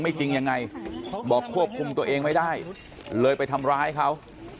จริงยังไงบอกควบคุมตัวเองไม่ได้เลยไปทำร้ายเขา